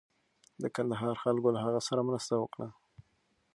د کندهار خلکو له هغه سره مرسته وکړه.